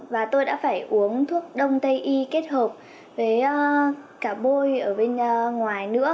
và tôi đã phải uống thuốc đông tây y kết hợp với cả bôi ở bên ngoài nữa